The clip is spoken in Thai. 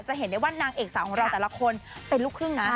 เห็นได้ว่านางเอกสาวของเราแต่ละคนเป็นลูกครึ่งนะ